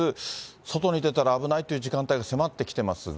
外に出たら危ないという時間帯が迫ってきてますが。